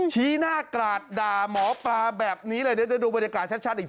ชี้หน้ากราดด่าหมอปลาแบบนี้เลยเดี๋ยวจะดูบรรยากาศชัดอีกที